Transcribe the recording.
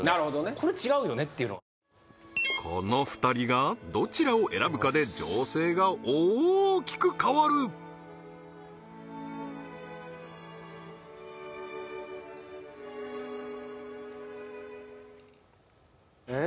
これ違うよねっていうのこの２人がどちらを選ぶかで情勢が大きく変わるえっ？